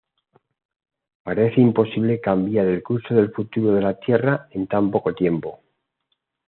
Parece imposible cambiar el curso del futuro de la Tierra en tan poco tiempo.